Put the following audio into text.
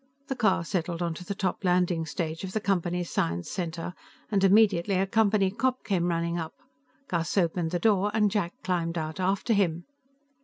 The car settled onto the top landing stage of the Company's Science Center, and immediately a Company cop came running up. Gus opened the door, and Jack climbed out after him.